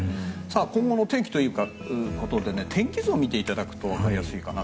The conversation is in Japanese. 今後のお天気ということで天気図を見ていただくとわかりやすいかな。